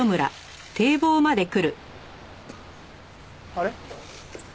あれ？